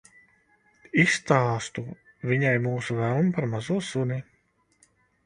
Izstāstu viņai mūsu vēlmi par mazo suni.